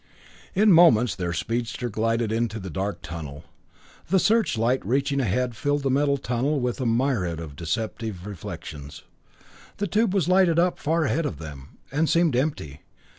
In moments their speedster glided into the dark tunnel. The searchlight reaching ahead filled the metal tunnel with a myriad deceptive reflections. The tube was lighted up far ahead of them, and seemed empty.